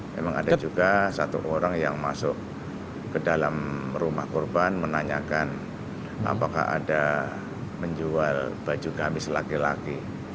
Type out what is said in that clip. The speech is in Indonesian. memang ada juga satu orang yang masuk ke dalam rumah korban menanyakan apakah ada menjual baju kamis laki laki